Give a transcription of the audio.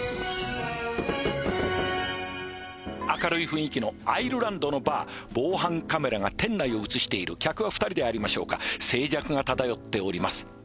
明るい雰囲気のアイルランドのバー防犯カメラが店内を映している客は２人でありましょうか静寂が漂っております